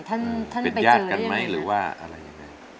ท่านเป็นญาติกันไหมหรือว่าอะไรยังไง